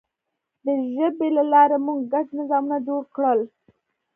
د ژبې له لارې موږ ګډ نظامونه جوړ کړل.